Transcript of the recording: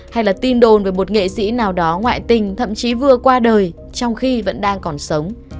hay là tin đồn về một nghệ sĩ nào đó ngoại tình thậm chí vừa qua đời trong khi vẫn đang còn sống